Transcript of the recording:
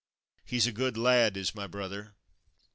" He's a good lad, is my brother.